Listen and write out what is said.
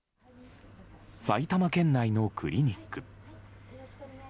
埼玉県内のクリニック。